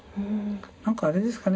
何かあれですかね